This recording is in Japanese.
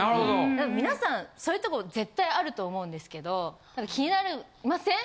みなさんそういうとこ絶対あると思うんですけど気になりません？